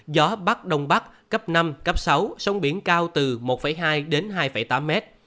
gió bắc đông bắc cấp năm sáu sông biển cao từ một hai hai tám m